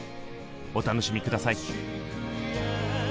お楽しみ下さい。